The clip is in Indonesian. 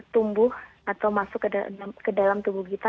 tumbuh atau masuk ke dalam tubuh kita